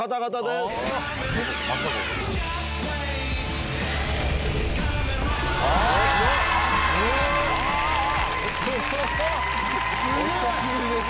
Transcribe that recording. すげぇ！お久しぶりです。